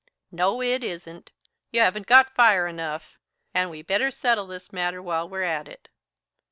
"No, it isn't. You haven't got fire enough. And we'd better settle this matter while we're at it."